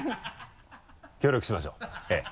協力しましょうえぇ。